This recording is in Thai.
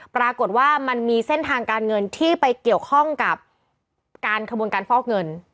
ปรากฏว่ามันมีเส้นทางการเงินที่ไปเกี่ยวข้องกับการขบวนการฟอกเงิน